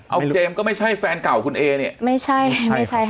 เอาเจมส์ก็ไม่ใช่แฟนเก่าคุณเอเนี่ยไม่ใช่ไม่ใช่ค่ะ